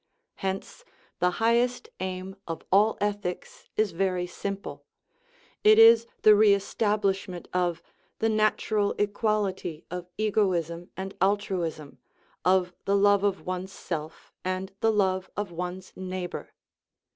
Hence the highest aim of all ethics is very simple it is the re establishment of " the natural equal ity of egoism and altruism, of the love of one's self and the love of one's neighbor."